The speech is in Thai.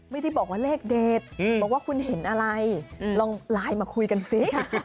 ไม่ได้บอกว่าเลขเด็ดบอกว่าคุณเห็นอะไรลองไลน์มาคุยกันสิ